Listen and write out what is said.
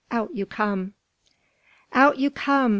out you come!" "Out you come!"